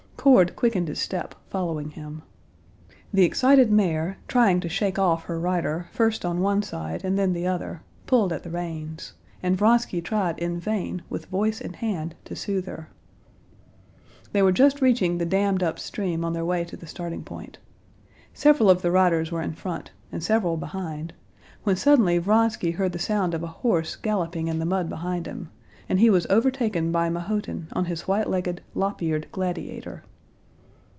Cord quickened his step, following him. The excited mare, trying to shake off her rider first on one side and then the other, pulled at the reins, and Vronsky tried in vain with voice and hand to soothe her. They were just reaching the dammed up stream on their way to the starting point. Several of the riders were in front and several behind, when suddenly Vronsky heard the sound of a horse galloping in the mud behind him, and he was overtaken by Mahotin on his white legged, lop eared Gladiator.